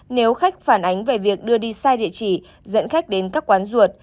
nếu khách phản ánh về việc đưa đi sai địa chỉ dẫn khách đến các quán ruột